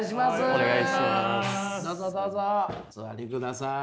お願いします。